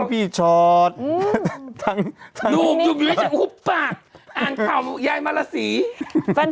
กินไอ้ไป